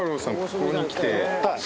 ここにきて。